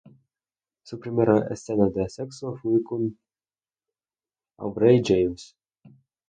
Su primera escena de sexo fue con Aubrey James.